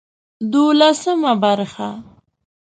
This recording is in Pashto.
دولسمه برخه